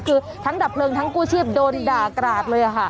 คือทั้งดับเพลิงทั้งกู้ชีพโดนด่ากราดเลยค่ะ